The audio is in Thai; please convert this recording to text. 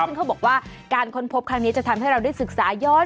ซึ่งเขาบอกว่าการค้นพบครั้งนี้จะทำให้เราได้ศึกษาย้อน